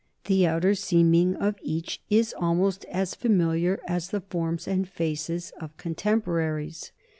The outer seeming of each is almost as familiar as the forms and faces of contemporaries.